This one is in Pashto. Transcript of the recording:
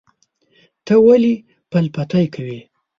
ته ولې پل پتی کوې؟